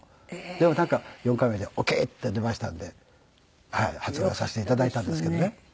でもなんか４回目でオーケーって出ましたんで発売させて頂いたんですけどね。